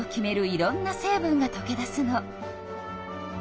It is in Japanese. いろんな成分がとけ出すの。